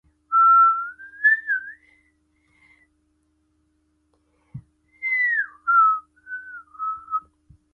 塗城里活動中心